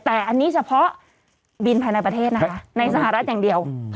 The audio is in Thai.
แต่อันนี้เฉพาะบินภายในประเทศนะคะในสหรัฐอย่างเดียว